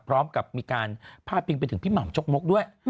พร้อมกับมีการพาดพิงไปถึงพี่หม่ำจกมกด้วย